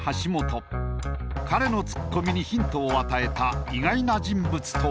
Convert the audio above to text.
彼のツッコミにヒントを与えた意外な人物とは？